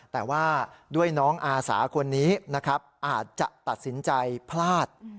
แต่ว่าด้วยน้องอาสาคนนี้นะครับอาจจะตัดสินใจพลาด